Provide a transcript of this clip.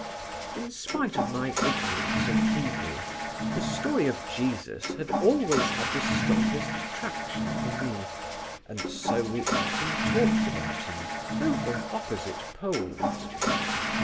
In spite of my ignorance of Hebrew the story of Jesus had always had the strongest attraction for me, and so we often talked about Him, though from opposite poles.